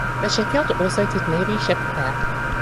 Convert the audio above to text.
The shipyard also did Navy ship repair.